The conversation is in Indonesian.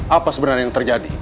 apa sebenarnya yang terjadi